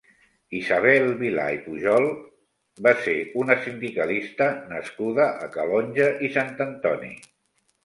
Isabel Vilà i Pujol va ser una sindicalista nascuda a Calonge i Sant Antoni.